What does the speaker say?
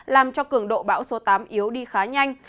làm cho cường độ bão số tám yếu đi khá nhanh